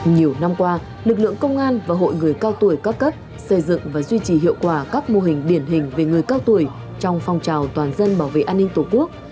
nhiều năm qua lực lượng công an và hội người cao tuổi các cấp xây dựng và duy trì hiệu quả các mô hình điển hình về người cao tuổi trong phong trào toàn dân bảo vệ an ninh tổ quốc